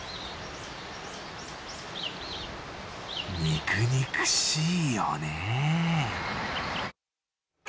肉々しいよね。